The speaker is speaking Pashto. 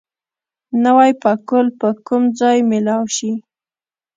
نوی پکول به کوم ځای مېلاو شي؟